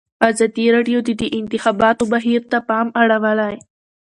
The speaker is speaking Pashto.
ازادي راډیو د د انتخاباتو بهیر ته پام اړولی.